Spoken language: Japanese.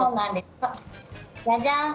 じゃじゃーん！